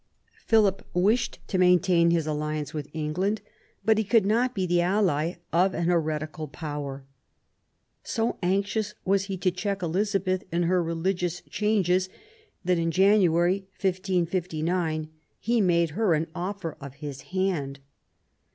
Philip wished to maintain his alliance with England ; but he could not be the ally of an heretical Power. So PROBLEMS OF THE REIGN, 55 anxious was he to check Elizabeth in her religious changes that, in January, 1559, he made her an offer of his hand.